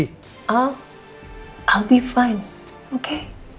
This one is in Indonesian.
saya akan baik baik saja oke